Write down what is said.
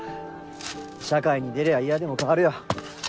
社会に出りゃ嫌でも変わるよ。